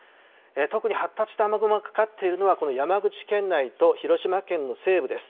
特に発達した雨雲がかかっているのは、この山口県内と広島県の西部です。